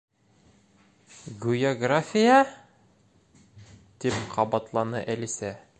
—Гүйәграфия? —тип ҡабатланы Әлисә.